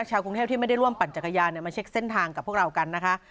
กรุงเทพที่ไม่ได้ร่วมปั่นจักรยานมาเช็คเส้นทางกับพวกเรากันนะคะ